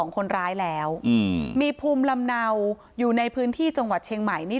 คนร้ายแล้วมีภูมิลำเนาอยู่ในพื้นที่จังหวัดเชียงใหม่นี่